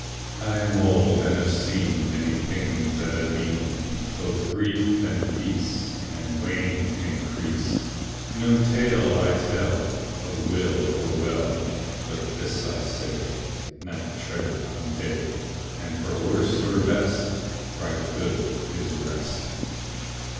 I am old and have seen Many things that have been; Both grief and peace And wane and increase. No tale I tell Of ill or well, But this I say: Night treadeth on day, And for worst or best Right good is rest.